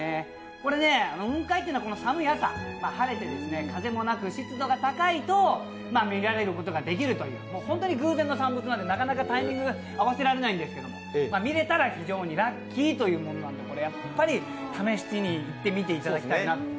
これ雲海というのは寒い朝、晴れて寒くて湿度が高いと見ることができるという本当に偶然の産物なので、なかなかタイミング合わせられないんですけど、見れたら非常にラッキーというものなんですがやっぱり試しに行ってみていただきたいなと。